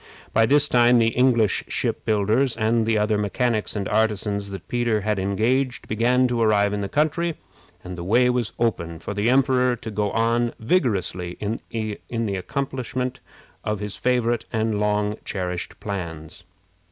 By this time the English ship builders, and the other mechanics and artisans that Peter had engaged, began to arrive in the country, and the way was open for the emperor to go on vigorously in the accomplishment of his favorite and long cherished plans.